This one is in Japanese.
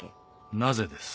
なぜです？